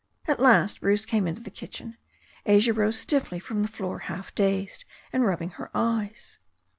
At last Bruce came into the kitchen. Asia rose stiffly from the floor half dazed and rubbing her eyes.